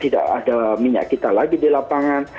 tidak ada minyak kita lagi di lapangan